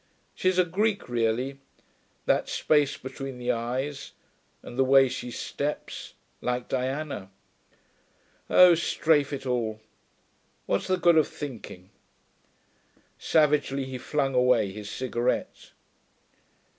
She's a Greek really ... that space between the eyes, and the way she steps ... like Diana.... Oh, strafe it all, what's the good of thinking?' Savagely he flung away his cigarette.